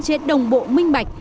cơ chế đồng bộ minh bạch